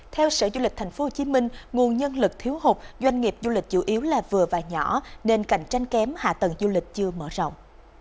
theo sở du lịch tp hcm nguồn nhân lực thiếu hụt doanh nghiệp du lịch chủ yếu là vừa và nhỏ nên cạnh tranh kém hạ tầng du lịch chưa mở rộng